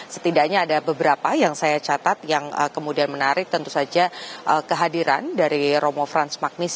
setidaknya ada beberapa yang saya catat yang kemudian menarik tentu saja kehadiran dari romo franz magnis